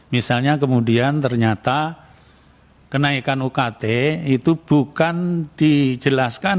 misalnya kemudian ternyata kenaikan ukt itu bukan dijelaskan